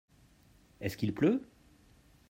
Est-ce qu'il pleut ?